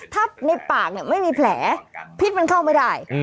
ถ้าในปากไม่มีแผลพิษมันเข้าไม่ได้